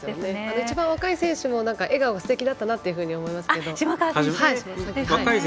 一番若い選手も笑顔がすてきだったなと思いますが。